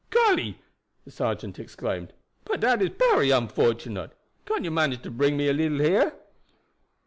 "Golly!" the sergeant exclaimed; "but dat is bery unfortunate. Can't you manage to bring me a little here?"